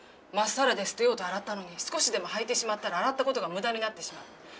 真っさらで捨てようと洗ったのに少しでも履いてしまったら洗った事が無駄になってしまう。